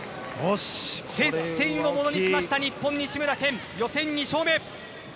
接戦をものにしました西村、予選２勝目。